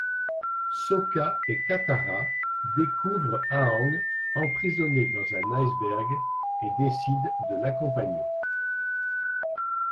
Sokka et Katara découvrent Aang emprisonné dans un iceberg et décident de l'accompagner.